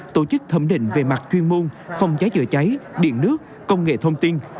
tổ chức thẩm định về mặt chuyên môn phòng cháy chữa cháy điện nước công nghệ thông tin